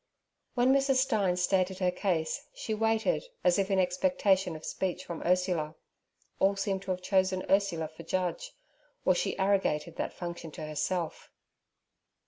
When Mrs. Stein stated her case, she waited as if in expectation of speech from Ursula. All seemed to have chosen Ursula for judge, or she arrogated that function to herself.